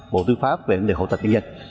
bộ tư pháp về hậu tạch kinh dịch